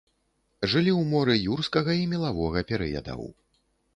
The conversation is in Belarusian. Жылі ў моры юрскага і мелавога перыядаў.